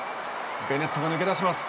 ベネットが抜け出します。